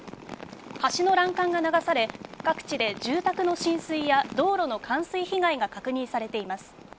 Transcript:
橋の欄干が流され、各地で住宅の浸水や道路の冠水被害が確認されています。